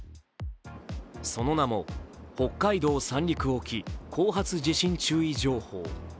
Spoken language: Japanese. その名も北海道・三陸沖後発地震注意情報。